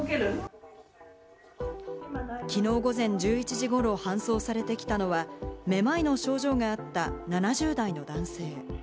きのう午前１１時ごろ搬送されてきたのは、めまいの症状があった７０代の男性。